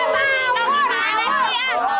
pak gintok gak ada sih ya